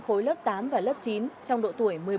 khối lớp tám và lớp chín trong độ tuổi